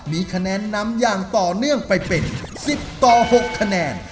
มีคะแนนนำอย่างต่อเนื่องไปเป็น๑๐ต่อ๖คะแนน